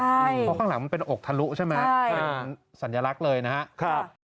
เพราะข้างหลังมันเป็นอกทะลุใช่ไหมเป็นสัญลักษณ์เลยนะครับ